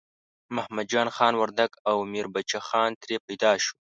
محمد جان خان وردګ او میربچه خان ترې پیدا شو.